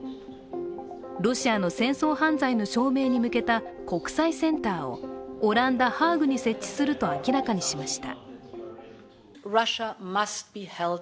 ロシアの戦争犯罪の証明に向けた国際センターをオランダ・ハーグに設置すると明らかにしました。